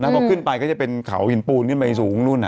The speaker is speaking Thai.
พอขึ้นไปก็จะเป็นเขาหินปูนขึ้นไปสูงนู่น